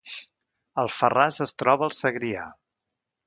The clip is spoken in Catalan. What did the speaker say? Alfarràs es troba al Segrià